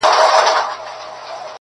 • مُلا قاضي وي ملا افسر وي -